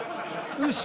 よし。